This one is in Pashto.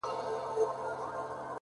o دا به چيري خيرن سي،